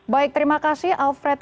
baik terima kasih alfred